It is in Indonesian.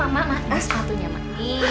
mak mak mak